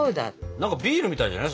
何かビールみたいじゃない？